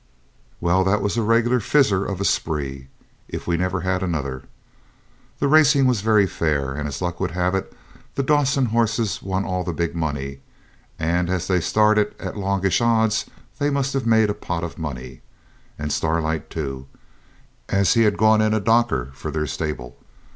Well, that was a regular fizzer of a spree, if we never had another. The racing was very fair, and, as luck would have it, the Dawson horses won all the big money, and, as they started at longish odds, they must have made a pot of money, and Starlight too, as he'd gone in a docker for their stable.